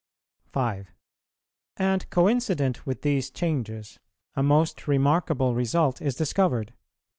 5. And coincident with these changes, a most remarkable result is discovered.